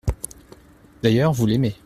D’ailleurs, vous l’aimez.